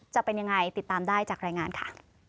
จะเป็นยังไงติดตามได้จากรายงานค่ะ